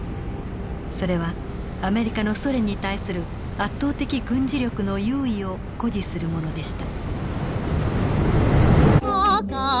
それはアメリカのソ連に対する圧倒的軍事力の優位を誇示するものでした。